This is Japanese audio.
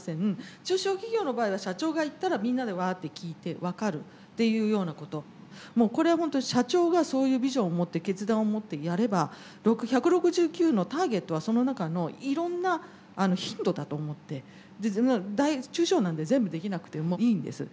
中小企業の場合は社長が言ったらみんなでワッて聞いて分かるっていうようなこともうこれは本当に社長がそういうビジョンを持って決断を持ってやれば１６９のターゲットはその中のいろんなヒントだと思って中小なんで全部できなくてもいいんです。